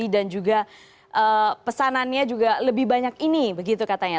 dan juga pesanannya juga lebih banyak ini begitu katanya